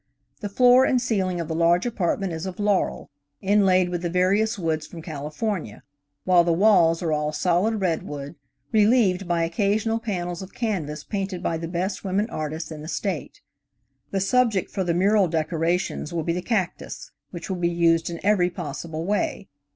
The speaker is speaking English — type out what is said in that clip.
The floor and ceiling of the large apartment is of laurel, inlaid with the various woods from California, while the walls are all solid redwood, relieved by occasional panels of canvas painted by the best women artists in the State. The subject for the mural decorations will be the cactus, which will be used in every possible way.